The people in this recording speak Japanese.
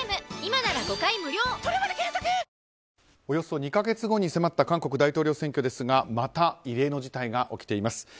およそ２か月後に迫った韓国大統領選挙ですがまた異例の事態が起きています。